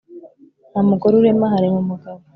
nta mugore urema, harema umugabo.